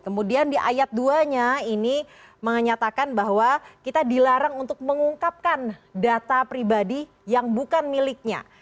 kemudian di ayat dua nya ini menyatakan bahwa kita dilarang untuk mengungkapkan data pribadi yang bukan miliknya